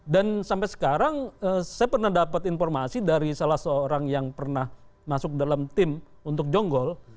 dan sampai sekarang saya pernah dapat informasi dari salah seorang yang pernah masuk dalam tim untuk jonggol